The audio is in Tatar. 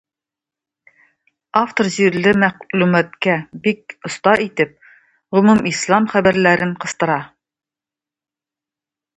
Автор җирле мәгълүматка бик оста итеп гомумислам хәбәрләрен кыстыра.